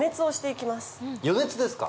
予熱ですか？